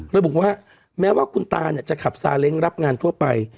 ระบุว่าแม้ว่าคุณตาจะขับซาเล้งรับงานทั่วไป